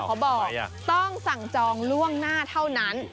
เขาบอกต้องสั่งจองล่วงหน้าเท่านั้น